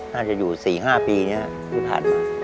น่าจะอยู่สี่ห้าปีเนี่ยที่ผ่านมา